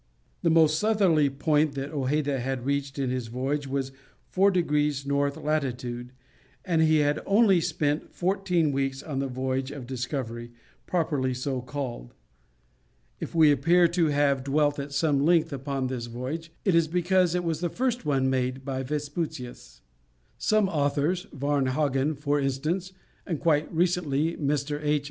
The most southerly point that Hojeda had reached in this voyage was 4 degrees north latitude, and he had only spent fourteen weeks on the voyage of discovery, properly so called. If we appear to have dwelt at some length upon this voyage, it is because it was the first one made by Vespucius. Some authors, Varnhagen for instance, and quite recently, Mr. H.